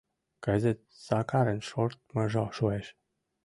Кызыт Сакарын шортмыжо шуэш...